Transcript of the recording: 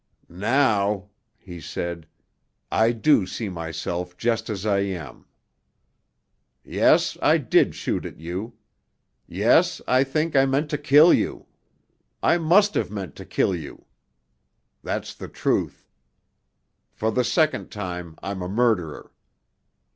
"Now," he said, "I do see myself just as I am. Yes, I did shoot at you. Yes, I think I meant to kill you. I must have meant to kill you. That's the truth. For the second time I'm a murderer.